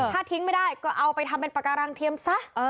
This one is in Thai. ถ้าทิ้งไม่ได้ก็เอาไปทำเป็นปากการังเทียมซะ